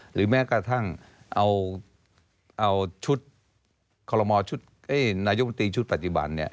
หรือแม้กระทั่งเอาชุดคอลโมชุดนายกมนตรีชุดปัจจุบัน